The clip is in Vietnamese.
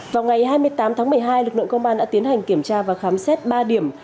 vào ngày hai mươi tám tháng một mươi hai lực lượng công an đã tiến hành kiểm tra và khám xét ba điểm